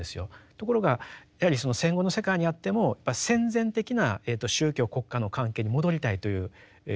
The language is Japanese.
ところがやはりその戦後の世界にあってもやっぱり戦前的な宗教国家の関係に戻りたいという人がですね